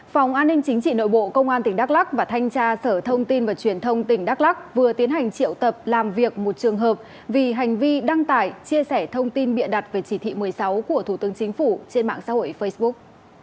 phòng an ninh chính trị nội bộ công an tỉnh đắk lắc và thanh tra sở thông tin và truyền thông tỉnh đắk lắc vừa tiến hành triệu tập làm việc một trường hợp vì hành vi đăng tải chia sẻ thông tin bịa đặt về chỉ thị một mươi sáu của thủ tướng chính phủ trên mạng xã hội facebook